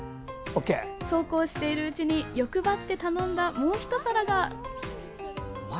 そうこうしているうちに欲張って頼んだ、もうひと皿が。